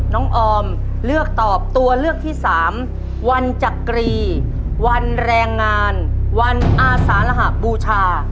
ออมเลือกตอบตัวเลือกที่สามวันจักรีวันแรงงานวันอาสารหบูชา